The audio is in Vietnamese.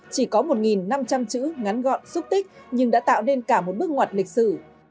chỉ có một năm trăm linh chữ ngắn gọn xúc tích nhưng đã tạo nên cả một bước ngoặt lịch sử